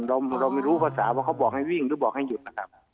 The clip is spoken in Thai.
เราไม่รู้ภาษาว่าเขาบอกให้วิ่งหรือบอกให้หยุดนะครับ